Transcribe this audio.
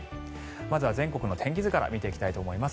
まずは全国の天気図から見ていきたいと思います。